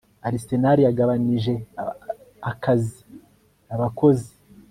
Arsenal Yagabanije Akazi Abakozi